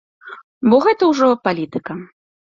Бо гэта ўжо палітыка!